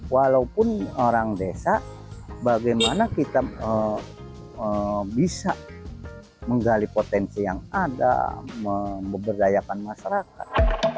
walaupun orang desa bagaimana kita bisa menggali potensi yang ada memberdayakan masyarakat